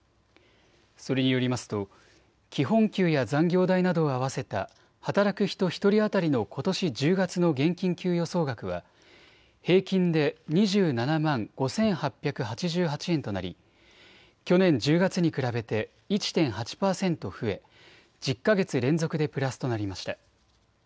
それによりますと基本給や残業代などを合わせた働く人１人当たりのことし１０月の現金給与総額は平均で２７万５８８８円となり去年１０月に比べて１．８％増え１０か月連続でプラスとなりました。